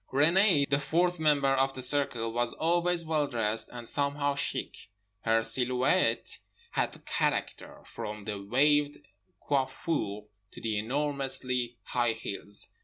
Renée, the fourth member of the circle, was always well dressed and somehow chic. Her silhouette had character, from the waved coiffure to the enormously high heels.